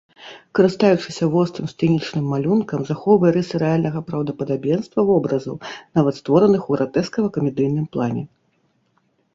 Карыстаючыся вострым сцэнічным малюнкам, захоўвае рысы рэальнага праўдападабенства вобразаў, нават створаных у гратэскава-камедыйным плане.